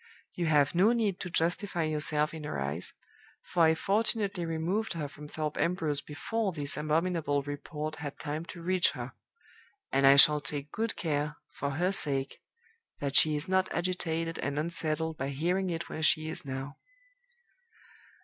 You have no need to justify yourself in her eyes, for I fortunately removed her from Thorpe Ambrose before this abominable report had time to reach her; and I shall take good care, for her sake, that she is not agitated and unsettled by hearing it where she is now.